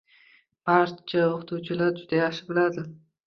Barcha o‘qituvchilar juda yaxshi biladi.